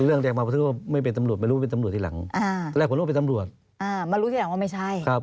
เรื่องแรกมาเพราะให้รู้ไม่เป็นตำรวจ